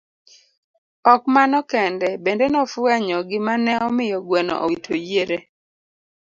Ok mano kende, bende nofwenyo gima ne omiyo gweno owito yiere.